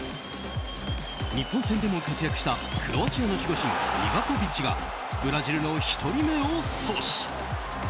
日本戦でも活躍したクロアチアの守護神リヴァコヴィッチがブラジルの１人目を阻止。